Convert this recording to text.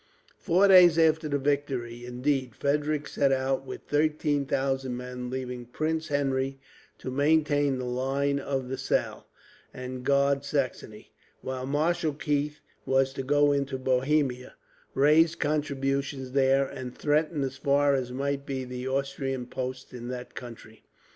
Four days after the victory, indeed, Frederick set out with thirteen thousand men; leaving Prince Henry to maintain the line of the Saale, and guard Saxony; while Marshal Keith was to go into Bohemia, raise contributions there, and threaten as far as might be the Austrian posts in that country.